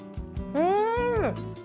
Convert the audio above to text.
うん！